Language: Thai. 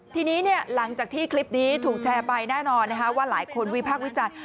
ทีนี้หลังจากที่คลิปนี้ถูกแชร์ไปแน่นอนว่าหลายคนวิพากษ์วิจารณ์